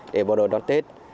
để bộ đội đón tết